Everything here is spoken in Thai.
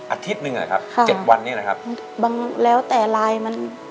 อาทิตย์หนึ่งอ่ะครับค่ะเจ็ดวันนี้นะครับบางแล้วแต่ลายมัน